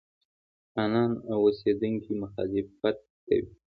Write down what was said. خانان او اوسېدونکي مخالفت کوي.